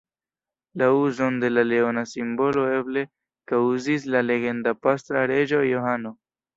La uzon de la leona simbolo eble kaŭzis la legenda pastra reĝo Johano.